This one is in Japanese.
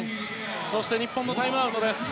日本のタイムアウトです。